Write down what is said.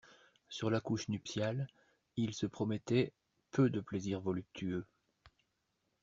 Sur la couche nuptiale, il se promettait peu de plaisir voluptueux.